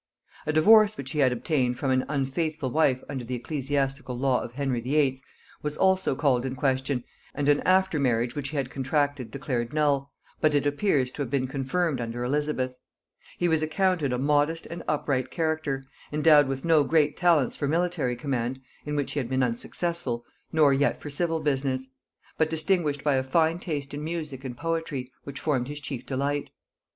A divorce which he had obtained from an unfaithful wife under the ecclesiastical law of Henry VIII. was also called in question, and an after marriage which he had contracted declared null, but it appears to have been confirmed under Elizabeth. He was accounted a modest and upright character, endowed with no great talents for military command, in which he had been unsuccessful, nor yet for civil business; but distinguished by a fine taste in music and poetry, which formed his chief delight.